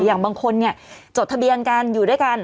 อย่างบางคนเนี่ยจดทะเบียนกันอยู่ด้วยกัน